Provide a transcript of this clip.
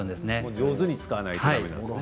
上手に使わないとだめなんですね。